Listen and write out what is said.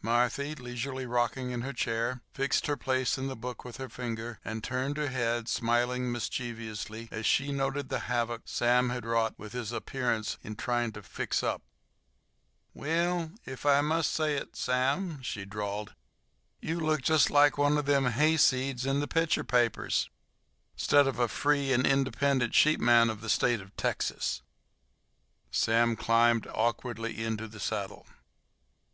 Marthy, leisurely rocking in her chair, fixed her place in the book with her finger, and turned her head, smiling mischievously as she noted the havoc Sam had wrought with his appearance in trying to "fix up." "Well, ef I must say it, Sam," she drawled, "you look jest like one of them hayseeds in the picture papers, 'stead of a free and independent sheepman of the State o' Texas." Sam climbed awkwardly into the saddle.